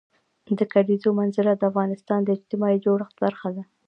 د کلیزو منظره د افغانستان د اجتماعي جوړښت برخه ده.